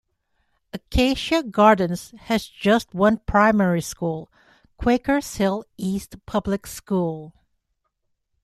Acacia Gardens has just one primary school, Quakers Hill East Public School.